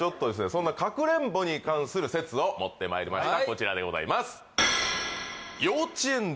そんなかくれんぼに関する説を持ってまいりました